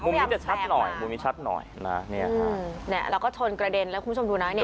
มุมนี้จะชัดหน่อยมุมนี้ชัดหน่อยนะเนี่ยแล้วก็ชนกระเด็นแล้วคุณผู้ชมดูนะเนี่ย